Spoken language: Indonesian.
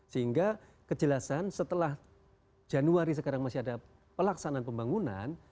sehingga kejelasan setelah januari sekarang masih ada pelaksanaan pembangunan